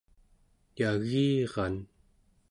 yagiran